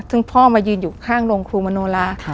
ซึ่งพ่อมายืนอยู่ข้างโรงครูมโนลา